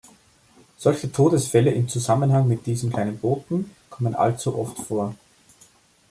Solche Todesfälle im Zusammenhang mit diesen kleinen Booten kommen allzu oft vor.